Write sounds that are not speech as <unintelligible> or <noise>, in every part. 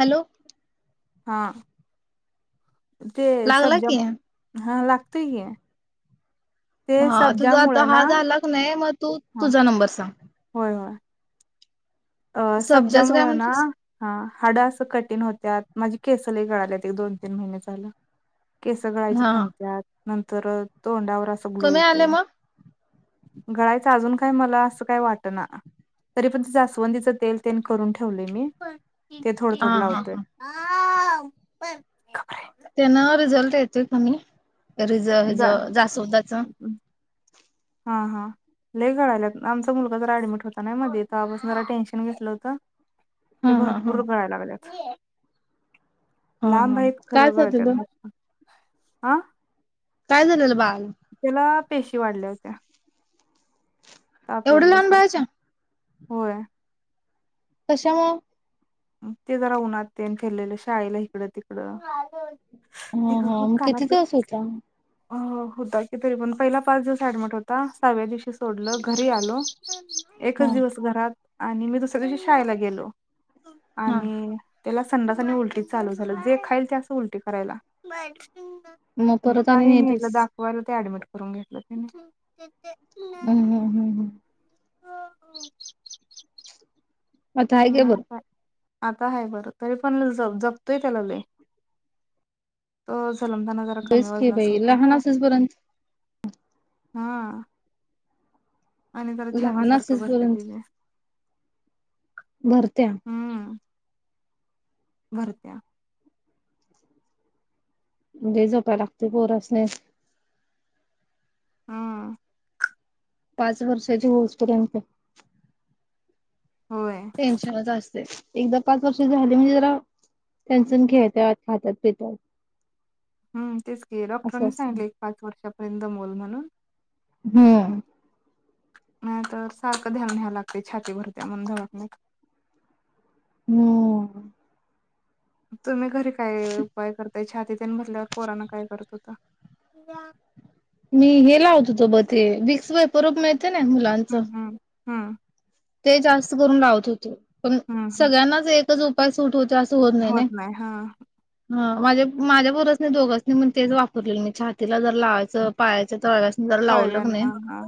Hello हा ते लागला सब्जा की हा ला <unintelligible> हा तुझ आता हा झाला का नाही मग तू हा तुझा नंबर सांग होय होय अ सब्जा सब्जाच मुळ काय ना म्हटलीस हा हाड असं कठीण होत्या माझी केसला कळाल्यात एक दोन तीन महिने झालं केस गळायचे हा थांबत्यात नंतर तोंडावर असा गलो कमी आले येतोय. मग गळाच अजून काय मला असं काय वाट ना तरी पण त जास्वंदीच तेल तेल करून ठेवले मी ते थोडं हा थोड हा लावतोय. हा हा ब आता येतोय कमिंग रिज हज जा जास्वंदाच हा हा लय कळाला आमचा मुलगा जरा ऍडमिट होता नाही मध्ये तवा पासून जरा टेन्शन घेतलं होतं हा ते हा हा भरपूर गळायला लागले हा लांब हा आहेतत काय खरं गळतात झालेलं बघ आ काय झालेल बा.. त्याला पेशी वाढल्या होत्या ताप एवढं यालता लहान बाळाच्या सारखा होय कशामुळ? ते जरा उन्हात तेन फिरलेल शाळेला इकडं तिकडं.. हा हा मग किती कानातलं दिवस होता? अ होता कि तरी पण पहिला पाच दिवस ऍडमिट होता, सहाव्या दिवशी सोडलं घरी आलो एकच हा दिवस घरात आणि मी दुसऱ्या दिवशी शाळेला गेलो. हा आणि त्याला संडास आणि उलटी चालू झालं जे खाईल ते असं उलटी करायला, मग आणि नेलं दाखवायला ते अडमिट.. करून घेतलं त्यांनी हम्म हम्म हम्म हम्म हा ह म आता हाय काय बरं? आता आहे बरं, तरी पण ज.. जपतोय त्याला लय तो... जलमताना जरा कमी तेच की वजनाचा बाई होता ना लहान असुपर्यंत.. हा आणि जरा छाती लहान सारखं असेस भरत्या पर्यंत त्याची भरत्या? हम्म भरत्या. लय जपाय लागतंय पोरासनी हम पाच वर्षाची होऊस पर्यंत होय टेन्शनच असतय एकदा पाच वर्ष झाली म्हणजे जरा त्यांच ती खेळत्यात, खात्यात, पित्यात हम् तेच की डॉक्टरांनी सांगितलेएक पाच वर्षा.. पर्यंत दमवल म्हणून हम्म नाही तर सारखं ध्यान न्यावं लागते. छाती भरत्या म्हणून दवाखान्यात हम तुम्ही घरी काय उपाय कर. ते छातीतने भसल्यावर पोरना काय करत होत. मी हेला होतो तो बघ ते विक्स परब मा ते नाय मुलांचं. हा. ते जास्त करून लावत होते. पण हम्म हम्म सगळ्यांनाच एक. तोच उपाय सुट होय आस होत नाही हा. माझे माझ्या बरच नाही, दोघच नाही मण तेच वापरले मी, छातीला जर लावायचं पायाच तळव्यास्नी जर लावल क नाय तळव्यांना नाही हा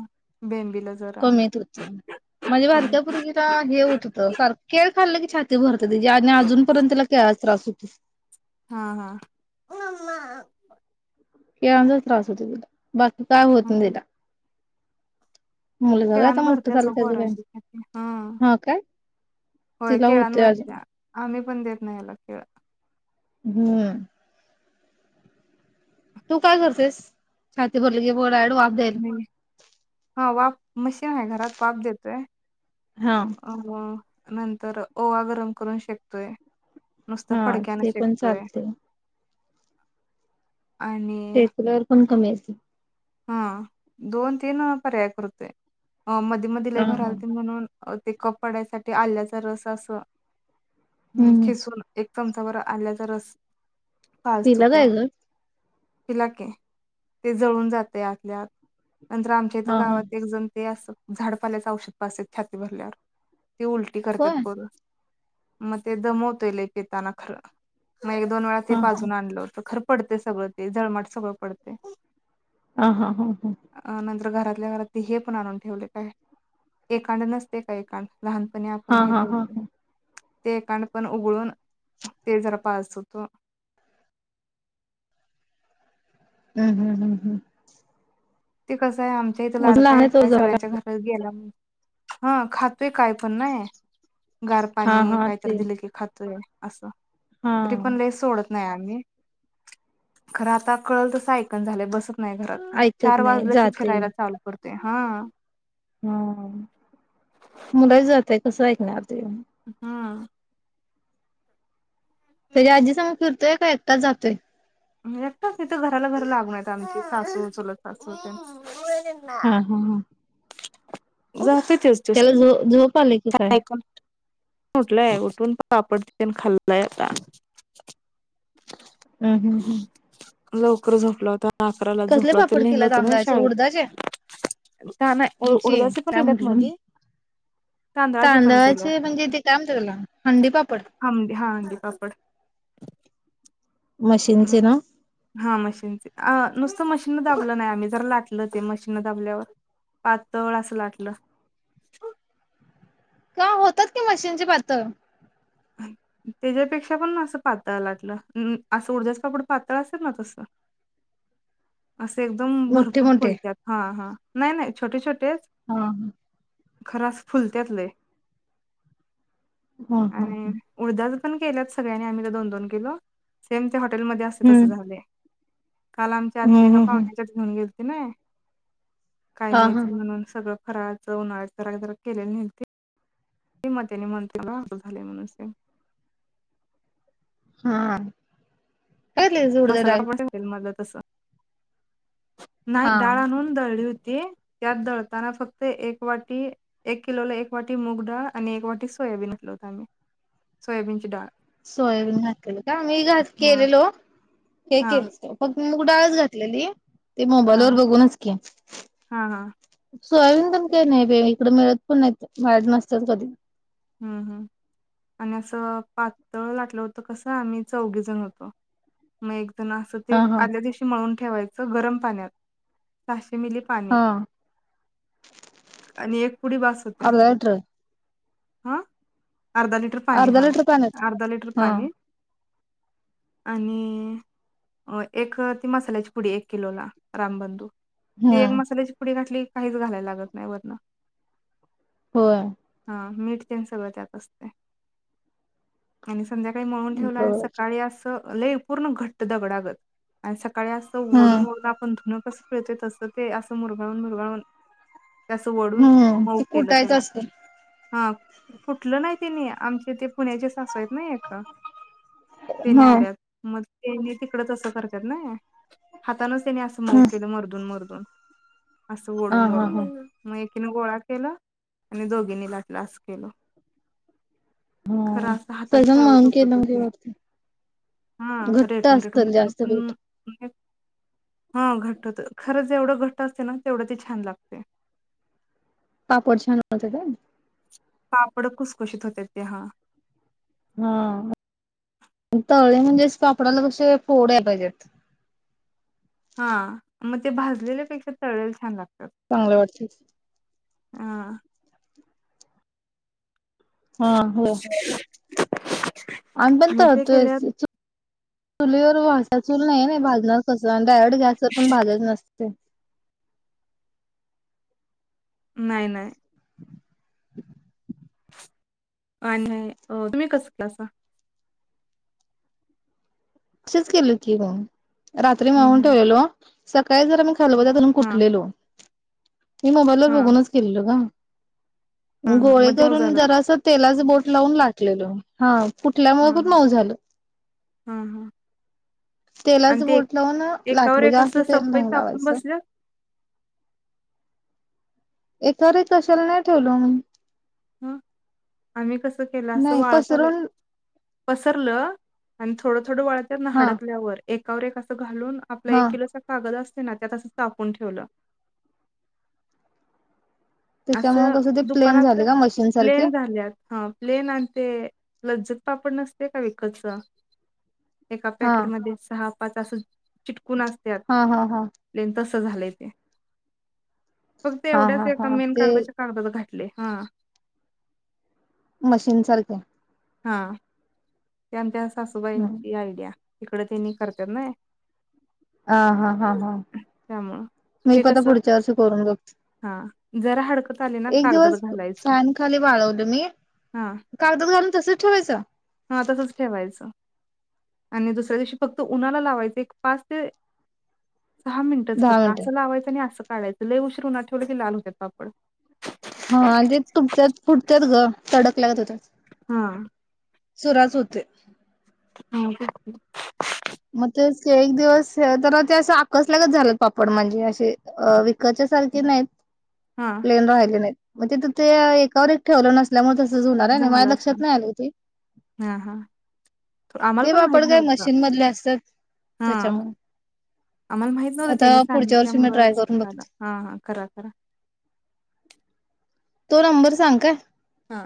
बेंबीला जरा कमीत होत होतं. कमी बारक्या पोरगीला हे होत हुत सारके खल्लं कीछात भर <unintelligible> अजूनपर्यंतला केळाचा त्रास होत. <inaudible> हा हा. केळचाच त्रास होतो तिला. बाकी काय हा होत ना हा तला. केळान भरत्यात झालं व त्याचं काय नाही. पोरांचे हा हा काय होय तिला केळान होतंय अजून भरत्या आम्ही प आम्ही देत नाही यला केळ. हम्म तू काय करतेस छाती भरली क. हा वाफ मशीन आहे घरात वाफ देतोय हा अ नंतर ओवा गरम करून शकतोय. हा ते पण चालते. आणि हेुलावर <unintelligible> पण कमी अस हम्म हा दोन तीन पर्याय करते. अ मध्ये मध्ये लई हा हा भरालती म्हणून. ते कप पडायसाठी आल्याचा रस अस. हम्म, खिसून एक चमचाभर आल्याचा रस. पिला काय ग? पिला की ते जळून जा ते आतल्या आत. नंतर आमच्या इथं हा हा गावात एक जण. ते असं झाडापाल्याचं औषध पाजत्यात छाती भरल्यावर. ती उलटी करतात होय. परत म ते दमवतय लय पिताना खरं. मग एक-दोन वेळा ते हा हा पाजून आणलो तर खर पडते सगळं ते झळमाट सगळं पडतेय. हा हा हा हा, घरातल्या घरात हे पण आणून ठेवले काय एकांड नसतय का एकांड लहानपणी आपण हा हे हा हा करतोय. हा ते एकांड पण उघळून ते जरा पाजत होतो. हम्म हम्म हम्म हम्म, ते कसं आमच्या इथं अजून लाडका लहान एकटा तो आहे, जरा सगळ्यांच्या घरात गेल्या हा खातोय काय पण नाही. गार हा पाणी हा काहीतर ते दिलं की, खातोय. असं. हा तरी पण लई सोडत नाही, आम्ही खरं आता कळल तस ऐकना झालंय बसना नाही घरात. ऐकत चार वाजल की फिरायला चालु करते हा. हम्म, मुलं जात हाय. कस ऐकणार ते. हा, तेज़्या आजी संग फिर तो काय एकटाच जातोय? एकटाच तित घराला घर लागून आहेत आमची सासू, चुलत सासू तेन. हा हा हा, जातोय त्याला झो झोप आले की काय <unintelligible> उठलंय उठून पापड‌ तेन खाल्ला आता. हम् हम्म हम्म लवकर झोपला होता. दहा अकरा ला झोपला ते पापड नेलं केला नव्हतं तांदळाचे शाळेत उडदाचे त्या नाही ह्याचे उडजाचे पण काय केलेत म्हटल मी मधी तांदळाचे पण केले म्हणजे ते काय म्हणते त्याला हंडी पापड हंडी हांडी पापड. मशीनचे ना हा मशीन नुसत मशीन मशीन दाबलं नाही आम्ही जर लाटल ते मशीन दाबल्यावर पातळ असं लाटलं का होतात की मशीनची पातळ त्याच्यापेक्षा पण ना असं पातळ लाटलं असं उडदापापड पातळ असेल ना तस असे एकदम मोठे भरपूर मोठे खोलत्यात हा हा नाही नाही छोटे छोटे हम ह खर फुलत्यातले हा आणि हा उडदाच केल्यात सगळी आम्ही दोन दोन किलो सेम हॉटेलमध्ये असते तस हम्म झाले काल आमच्या हम्म एका हम्म हम्म पाहुण्यांच्यात घेऊन गेलतो त नाही काय हा हा न्यायचं म्हणून सगळं फराळाचं उन्हाळ जरा जरा केलेली नाही ते कि म त्याने म्हणते असं झालंय मनुसे हा घातलेलीस उडद मसाला डाळीत पापड मला तसा हा नाही डाळ आणून दळली होती त्यात दळताना फक्त एक वाटी एक किलोला एक वाटी मूग डाळ आणि एक वाटी सोयाबीन असल होत आम्ही सोयाबीनची डाळ सोयाबीन घातलेलं का मी घात हा केलेलो हे हा मूग डाळच घातलेली ते मोबाईल हा वर बघूनच की हा हा सोयाबीन काही नाही इकडे मिळत पण नाहीत मळयात नसतं त कधी हम्म हम् आणि असं पातळ लाटलं होतं कसं आम्ही चौघे जण होतो मग एक असं ते हा हा आदल्या दिवशी मळून ठेवायच गरम पाण्यात मिली पाणी हा आणि एक पुडी बास होत्या. अर्धा लिटर हा. अर्धा लिटर पाणी अर्धा हा, लिटर पाण्यात अर्धा लिटर हा पाणी आणि अ एक ती मसाल्याची पुडी, एक किलो ला रामबंधू. ती एक हम्म मसाल्याची पुडी घाातली. काहीच घालायला लागत नाही वरण. होय. हा मीठ त्या सगळं त्यात असते, आणि संध्याकाळी मळून ठेवलं आणि सकाळी असं लय पूर्ण घट्ट दगडागत असं आणि असं ओडून हम्म व ओडून आपण धुणं कसं पिळत तस ते, असं मुरगाळून मुरगाळून हम्म ते कुठायच असतें हा कुठलं नाही त्यांनी, आमचे ते पुण्याचे सासू नाही आग त्यांनी हा आल्यात मग त्यांनी तिकडच असं करत्यात ना म्हणूनच त्यांनी असं मऊ ह केलं मर्दून मर्दून असं हा ओढून हा ओढून हा मग तिने गोळा केला आणि दोघींनी लाटल क्लास केलं. खरं हा असं हाताची सगळं तळव मळून केलं दुखत म्हणजे होते, वाटत हा घट्ट रेटून असत जास्त रेटून पीठ हा घट <unintelligible> खरंच जवढं घट्ट असत ना, तेवढं ते छान लागतेय. पापड छान होतेत का? पापडं खुसखुशीत होत ते हा. हा तळले म्हणजेच, पापडाला कशे फोड यायला पाहिजेत. हा मग ते भाजलेल्यापेक्षा तळेल छान लागत. चांगलं वाटतेत. हा. हा हो. आंबल मग तवा ते केल्या चूल नाही ना भाजणार कसं? डायरेक्ट गॅसवर पण भाजायचं नसत. ते नाही नाही. आणि अ तुम्ही कसं केलासा? असेच केल कि हो. रात्री मळून हम्म हम्म ठेवलेल? सकाळी जरा मग खलबत्यात घालून हा कुटलेलो. मी मोबाईल वर हा बघूनच केलेल ग. हा हा गोळे मग ते मऊ करून झालं काय जरास तेलात बोट लावून लाटलेलो हा. कुटल्यामुळे हा खूच हा मऊ झालं. हा हा तेलाच आणि ते बोट लावून एकावर लाटलो एक ना असं तेल सपई नाही चापून लावायचं. बसल्यात एकावर एक कशाला नाही ठेवल मी. हमम. आम्ही कस केलं असं नाही वाळतल. पसरून पसरलं आणि थोडं थोड वाळतना हा हडकल्यावर एका वर एक अस. घालून आपला हा एक किलो चा कागद असतो ना. ना त्या तस चापून ठेवलं. त्याच्यामुळे असं कसं ते प्लेन दुकानात झाले का मशीन सारखे प्लेन झाल्यात हा प्लेन आणि ते लज्जत पापड नसत का विकतच. एका हा पॅकेटमध्ये सहा त्या पासून चिकटून. हा हा हा <unintelligible> झालंय ते फक्त हा एवढच हा एक ते हा मेन कागदाच्या कागदावर घाल. हा. मशीन सारख्या हा. त्यांच्या. सासूबाईंची हा आयडिया. इकड तिनी करत्यात ना. ह हा हा हा त्यामुळं मी ते पन आता कसं पुढच्या वर्षी करून बघते. हा जरा हडकत आली ना एक कागदात दिवस घालायचं फॅन खाली वाळवलं मी हा कागदत घालून तसच ठेवायचं. हा तसच ठेवायचं आणि दुसऱ्या दिवशी फक्त उन्हाला लावायचं एक पाच ते सहा मिनिटच दहा फक्त मिनिटं असं लावायचं आणि असं काढायचं लय उशीर उन्हात ठेवलं की लाल होतपड हा आणि ते तुटतत फुटतत ग तडक लागत होता हा चुराच होतय हम् ब मग ते एक दिवस तर ते असं आकसल्यागच झालं पापड म्हणजे असे विकत च्या सारखे नाहीत हा, प्लेन रा राहिले नाही मग तिथ ते एकावर एक ठेवलं नसत. त्यामुळे तसच होणार आहे माझ्या झालं लक्षात असं नाही आले होते हा हा तो- आम्हाला ते पण पापड माहित काय नव्हतं मशीन मधले अस हा आम्हाला माहित नव्हत त्यांनी आता पुढच्या वर्षी मी ट्राय सांगितल्यामुळंच करून हा बघते हा करा करा. तो नंबर सांग काय हा